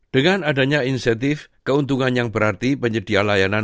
dengan adanya insentif keuntungan yang berarti penyedia layanan